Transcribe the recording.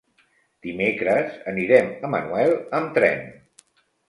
Dimecres anirem a Manuel amb tren.